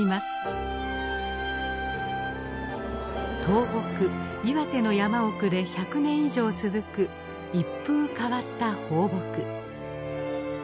東北岩手の山奥で１００年以上続く一風変わった放牧。